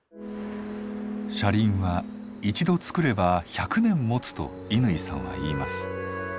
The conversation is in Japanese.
車輪は一度作れば１００年もつと乾さんは言います。